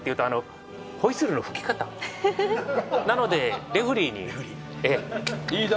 なのでレフェリーに。